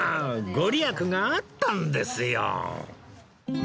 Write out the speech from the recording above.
ご利益があったんですよ